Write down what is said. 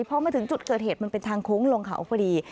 เพราะว่ามาถึงจุดเกิดเหตุมันเป็นชังควุ้งลงเขาฟรี